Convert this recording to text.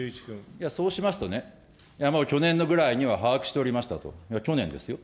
いや、そうしますとね、もう去年ぐらいには把握しておりましたと、去年ですよ。